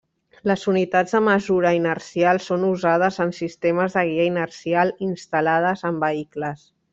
Les unitats de mesura inercial són usades en sistemes de guia inercial instal·lades en vehicles.